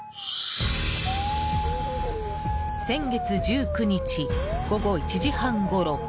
先月１９日午後１時半ごろ。